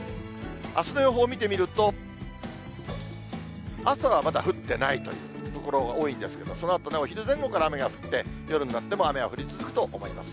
あすの予報見てみると、朝はまだ降ってないという所が多いんですが、そのあと、お昼前後から雨が降って、夜になっても雨が降り続くと思います。